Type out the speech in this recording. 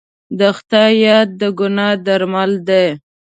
د خدای یاد د ګناه درمل دی.